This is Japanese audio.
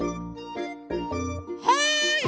はい！